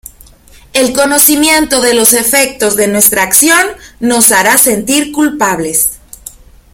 El conocimiento de los efectos de nuestra acción nos hará sentir culpables.